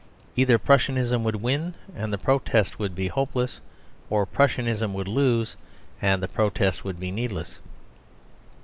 Either Prussianism would win and the protest would be hopeless, or Prussianism would lose and the protest would be needless.